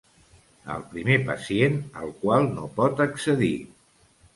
El primer pacient al qual no pot accedir.